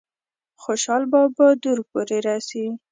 خوشحال بابا دور پورې رسي ۔